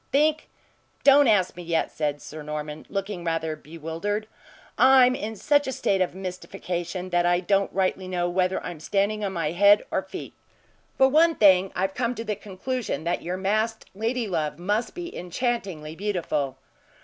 "Think? Don't ask me yet." said Sir Norman, looking rather bewildered. "I'm in such a state of mystification that I don't rightly know whether I'm standing on my head or feet. For one thing, I have come to the conclusion that your masked ladylove must be enchantingly beautiful."